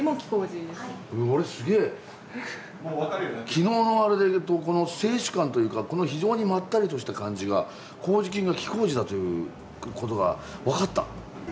昨日のあれでこの清酒感というかこの非常にまったりとした感じが麹菌が黄麹だという事が分かった。